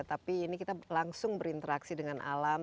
tapi ini kita langsung berinteraksi dengan alam